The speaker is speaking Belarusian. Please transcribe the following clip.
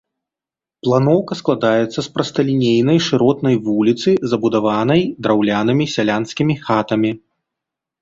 Планоўка складаецца з прасталінейнай шыротнай вуліцы, забудаванай драўлянымі сялянскімі хатамі.